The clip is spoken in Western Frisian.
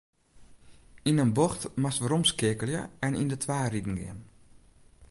Yn in bocht moatst weromskeakelje en yn de twa riden gean.